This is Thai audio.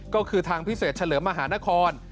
ก็คือทางพิเศษเฉลิมมหานคร